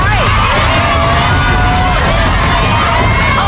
ไม่ออกไป